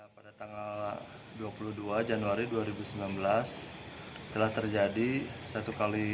pada tanggal dua puluh dua januari dua ribu sembilan belas telah terjadi satu kali